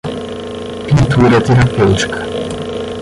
Pintura terapêutica